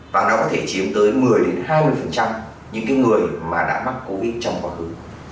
và nó có thể chiếm tới một mươi hai mươi những người mà đã mắc covid trong quá khứ